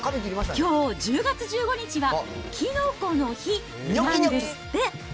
きょう１０月１５日は、キノコの日なんですって。